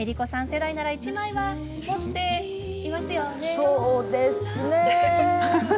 世代なら１枚は持っていますよね？